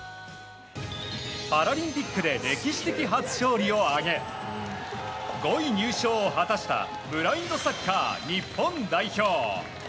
パラリンピックで歴史的初勝利を挙げ５位入賞を果たしたブラインドサッカー日本代表。